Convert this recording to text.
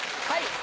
はい。